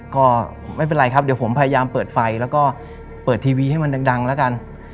ก็ไม่เป็นไรครับเดี๋ยวผมพยายามเปิดไฟแล้วก็เปิดทีวีให้มันดังแล้วกัน